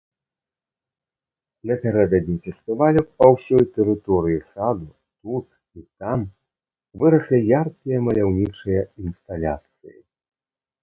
Напярэдадні фестывалю па ўсёй тэрыторыі саду тут і там выраслі яркія маляўнічыя інсталяцыі.